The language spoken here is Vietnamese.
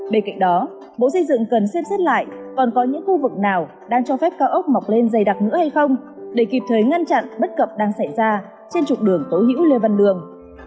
bên cạnh đó bộ xây dựng cần xem xét lại còn có những khu vực nào đang cho phép cao ốc mọc lên dày đặc nữa hay không để kịp thời ngăn chặn bất cập đang xảy ra trên trục đường tố hữu lê văn lương